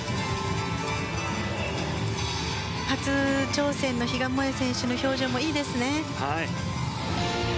初挑戦の比嘉もえ選手の表情もいいですね。